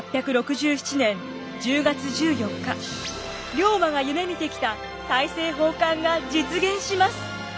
龍馬が夢みてきた大政奉還が実現します！